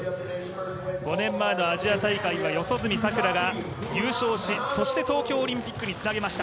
５年前のアジア大会は四十住さくらが優勝し、東京オリンピックにつなげました。